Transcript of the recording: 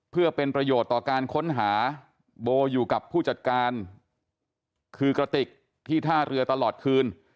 เพื่อเป็นประโยชน์ต่อการค้นหาโบอยู่กับผู้จัดการคือกระติกที่ท่าเรือตลอดคืน